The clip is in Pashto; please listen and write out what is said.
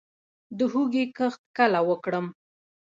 د هوږې کښت کله وکړم؟